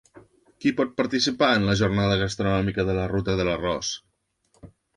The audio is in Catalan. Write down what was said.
Qui pot participar en la jornada gastronòmica de la ruta de l'arròs?